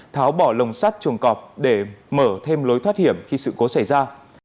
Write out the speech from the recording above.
tháo bỏ lồng sắt chuồng cọp để mở thêm lối thoát hiểm khi sự cố xảy ra